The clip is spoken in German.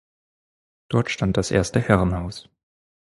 Dort stand das erste Herrenhaus.